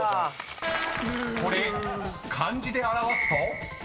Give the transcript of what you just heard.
［これ漢字で表すと？］